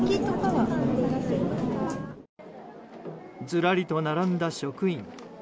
ずらりと並んだ職員。